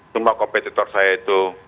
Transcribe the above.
semua kompetitor saya itu